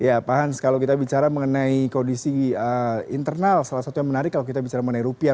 ya pak hans kalau kita bicara mengenai kondisi internal salah satu yang menarik kalau kita bicara mengenai rupiah